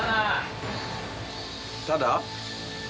ただ？